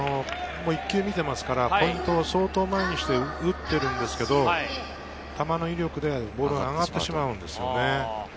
もう１球見ていますからポイントを相当前にして打っているんですけど、球の威力でボールが上がってしまうんですよね。